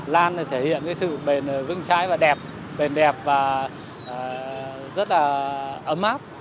lan thì thể hiện cái sự bền vững trái và đẹp bền đẹp và rất là ấm áp